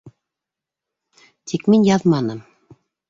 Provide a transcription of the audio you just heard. Тик мин яҙманым.